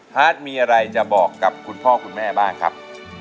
ฮาร์ดมีอะไรจะบอกกับคุณพ่อคุณแม่บ้างครับ